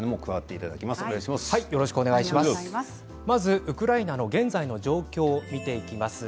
まずウクライナの現在の状況を見ていきます。